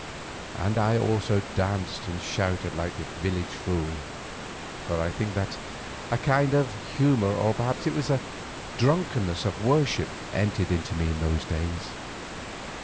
And I also danced and shouted like any village fool, for I think that a kind of mad humour, or perhaps it was the drunkenness of worship, entered into me in those days.